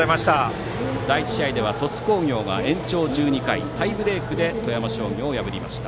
第１試合では鳥栖工業が延長１２回タイブレークで富山商業を破りました。